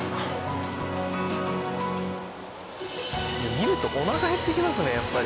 見るとおなか減ってきますねやっぱり。